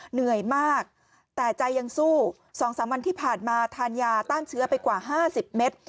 เหนื่อยมากแต่ใจยังสู้๒๓วันที่ผ่านมาทานยาต้านเชื้อไปกว่า๕๐เมตร